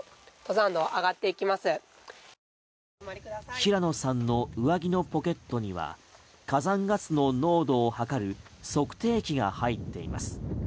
平野さんの上着のポケットには火山ガスの濃度を測る測定器が入っています。